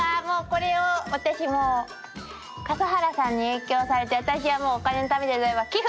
もうこれを私笠原さんに影響されて私はもうお金のためじゃないわ。